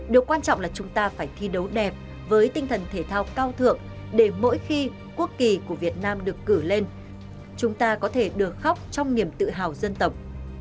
điều quan trọng là chúng ta phải thi đấu đẹp với tinh thần thể thao cao thượng để mỗi khi quốc kỳ của việt nam được cử lên chúng ta có thể được khóc trong niềm tự hào dân tộc